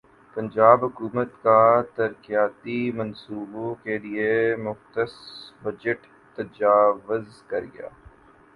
پنجاب حکومت کا ترقیاتی منصوبوں کیلئےمختص بجٹ تجاوزکرگیا